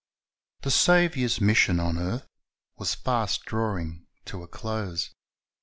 The Saviour's mission on earth was fast drawing to a close.